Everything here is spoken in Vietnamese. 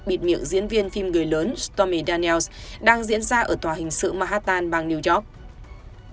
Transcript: bịt miệng diễn viên phim người lớn stormy daniels đang diễn ra ở tòa hình sự manhattan bang new york